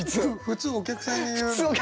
普通お客さんに言う。